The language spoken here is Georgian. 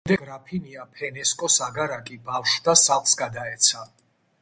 შემდეგ გრაფინია ფესენკოს აგარაკი ბავშვთა სახლს გადაეცა.